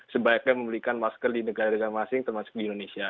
sebaiknya membelikan masker di negara negara masing masing termasuk di indonesia